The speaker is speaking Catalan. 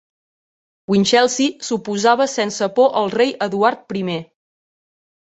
Winchelsey s'oposava sense por al rei Eduard Primer.